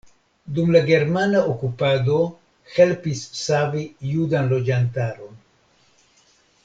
Dum la germana okupado helpis savi judan loĝantaron.